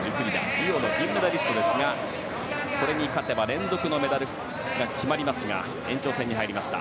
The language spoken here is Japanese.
リオの銀メダリストですがこれに勝てば連続のメダルが決まりますが延長戦に入りました。